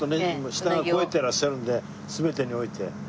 舌が肥えてらっしゃるんで全てにおいて。